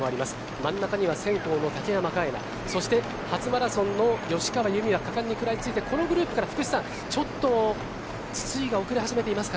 真ん中にはセンコーの竹山楓菜そして、初マラソンの吉川侑美が果敢に食らいついてこのグループから、福士さんちょっと筒井が遅れ始めています。